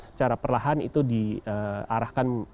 secara perlahan itu diarahkan